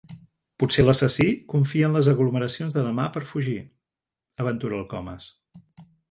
Potser l'assassí confia en les aglomeracions de demà per fugir — aventura el Comas.